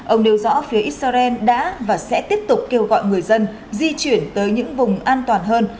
ông nêu rõ phía israel đã và sẽ tiếp tục kêu gọi người dân di chuyển tới những vùng an toàn hơn